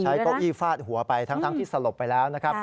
เก้าอี้ฟาดหัวไปทั้งที่สลบไปแล้วนะครับ